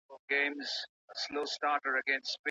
ولي ځايي واردوونکي کرنیز ماشین الات له ازبکستان څخه واردوي؟